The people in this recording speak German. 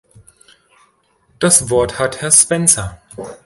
Das Wort hat Herr Spencer.